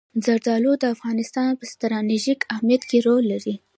زردالو د افغانستان په ستراتیژیک اهمیت کې رول لري.